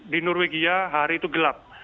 di norwegia hari itu gelap